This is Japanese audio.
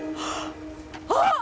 あっ！